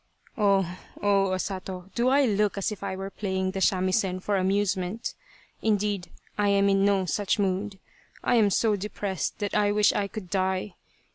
" Oh, oh, O Sato, do I look as if I were playing the samisen for amusement ? Indeed, I am in no such mood. I am so depressed that I wish I could die.